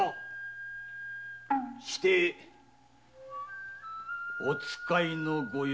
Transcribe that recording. してお使いのご用向きは？